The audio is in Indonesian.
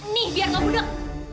nih biar gak budak